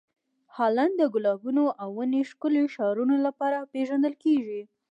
هالنډ د ګلابونو او ونې ښکلې ښارونو لپاره پېژندل کیږي.